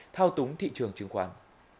thao túng của các tài năng